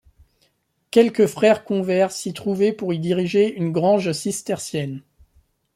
Quelques frères convers s'y trouvaient pour y diriger une grange cistercienne.